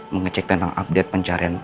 mengecek tentang update pencarian